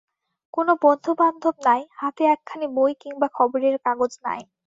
কোনো বন্ধুবান্ধব নাই, হাতে একখানি বই কিংবা খবরের কাগজ নাই।